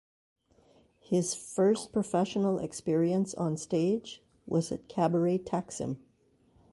His first professional experience on stage was at Cabaret Taksim.